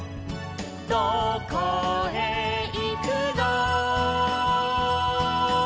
「どこへいくの」